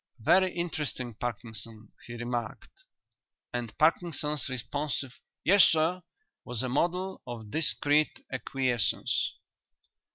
"Very interesting, Parkinson," he remarked, and Parkinson's responsive "Yes, sir" was a model of discreet acquiescence.